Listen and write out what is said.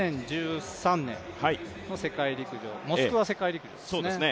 ２０１３年の世界陸上モスクワ世界陸上ですね。